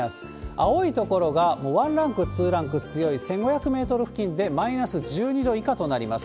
青い所がもう１ランク、２ランク強い１５００メートル付近でマイナス１２度以下となります。